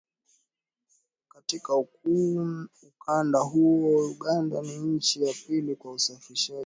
Katika ukanda huo, Uganda ni nchi ya pili kwa usafirishaj